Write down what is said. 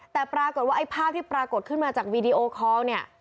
แต่ปรากฏว่าไอ้ภาพที่ปรากฏขึ้นมาจากวีดีโอคอลเนี่ย